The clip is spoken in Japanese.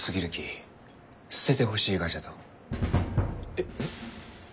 えっ？